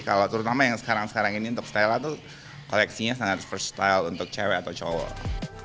kalau terutama yang sekarang sekarang ini untuk stella tuh koleksinya sangat frestyle untuk cewek atau cowok